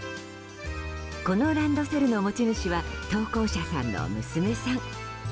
このランドセルの持ち主は投稿者さんの娘さん。